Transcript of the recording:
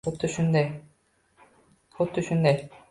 Xuddi shunday